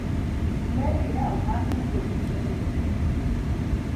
Mary ne omak gi polis nyoro gotieno